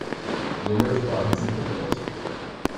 Somit waren sie komplett.